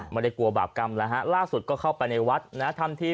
ไม่ได้กลัวบาปกรรมแล้วฮะล่าสุดก็เข้าไปในวัดนะทำที